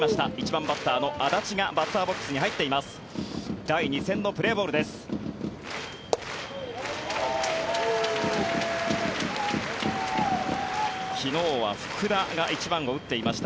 １番バッターの安達がバッターボックスに入っています。